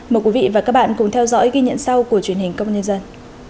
mời quý vị và các bạn cùng theo dõi ghi nhận sau của truyền hình công an nhân dân